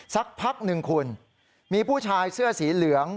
สักพักหนึ่งคุณมีผู้ชายเสื้อสีเหลือง